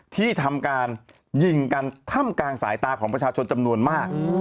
ที่ทำการยิงกันถ้ำกลางสายตาของประชาชนจำนวนมาก